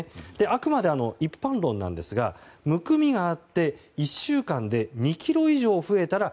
あくまで、一般論なんですがむくみがあって１週間で２ｋｇ以上増えたら